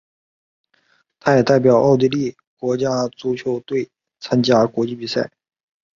他也代表奥地利国家足球队参加国际赛事。